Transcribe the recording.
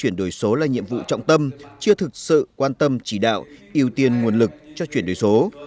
nhiệm vụ trọng tâm chưa thực sự quan tâm chỉ đạo ưu tiên nguồn lực cho chuyển đổi số